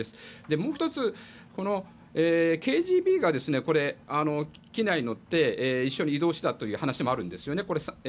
もう１つＫＧＢが機内に乗って一緒に移動したという話もあるんですね。